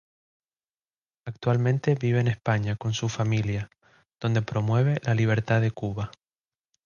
Actualmente vive en España con su familia, donde promueve la libertad de Cuba.